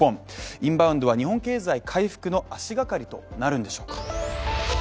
インバウンドは日本経済回復の足がかりとなるんでしょうか。